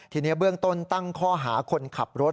ทีนี้เบื้องต้นตั้งข้อหาคนขับรถ